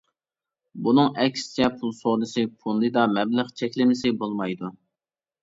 بۇنىڭ ئەكسىچە پۇل سودىسى فوندىدا مەبلەغ چەكلىمىسى بولمايدۇ.